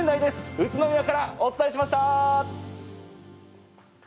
宇都宮からお伝えしました。